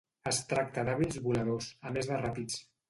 Es tracta d'hàbils voladors, a més de ràpids.